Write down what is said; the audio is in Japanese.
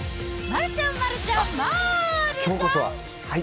丸ちゃん、丸ちゃん、まーるちゃん。